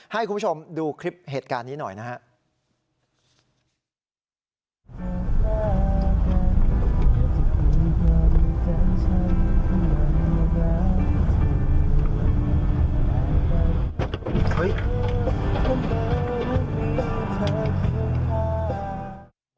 ให้คุณผู้ชมดูคลิปเหตุการณ์นี้หน่อยนะครับ